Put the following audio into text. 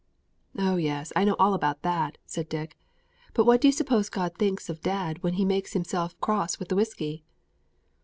"Oh yes; I know all about that," said Dick; "but what do you suppose God thinks of dad when he makes himself cross with the whisky?"